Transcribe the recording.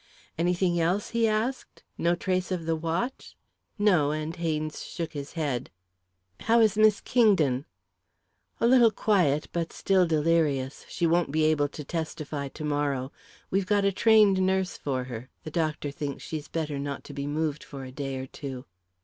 "Anything else?" he asked. "No trace of the watch?" "No," and Haynes shook his head. "How is Miss Kingdon?" "A little quieter, but still delirious. She won't be able to testify to morrow. We've got a trained nurse for her the doctor thinks she'd better not be moved for a day or two."